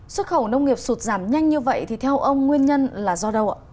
xuất khẩu nông nghiệp sụt giảm nhanh như vậy thì theo ông nguyên nhân là do đâu ạ